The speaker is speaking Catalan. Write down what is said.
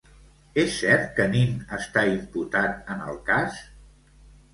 És cert que Nin està imputat en el cas?